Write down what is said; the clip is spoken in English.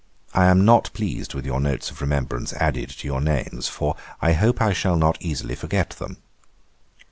I am not pleased with your notes of remembrance added to your names, for I hope I shall not easily forget them.